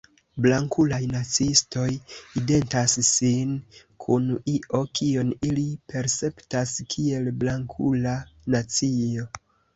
Blankulaj naciistoj identas sin kun io, kion ili perceptas kiel "blankula nacio.